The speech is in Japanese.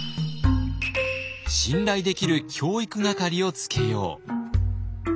信頼できる教育係をつけよう。